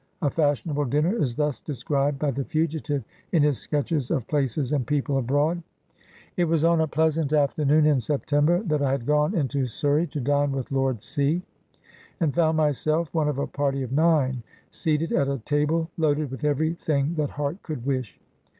A fashionable dinner is thus described by the fugitive in his " Sketches of Places and People Abroad" :—" It was on a pleasant afternoon in September that I had gone into Surrey to dine with Lord C , and found myself one of a party of nine, seated at a table loaded with every thing that heart could wish.